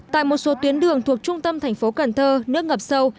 tại một số tuyến đường thuộc trung tâm thành phố cần thơ nước ngập sâu